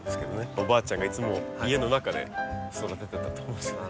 おばあちゃんがいつも家の中で育ててたと思うんですよね。